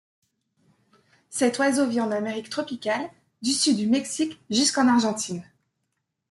Cet oiseau vit en Amérique tropicale, du sud du Mexique jusqu'en Argentine.